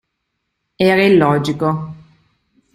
Era illogico.